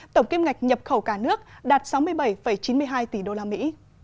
tổng kim ngạch nhập khẩu cả nước đạt sáu mươi bảy chín mươi hai tỷ đô la mỹ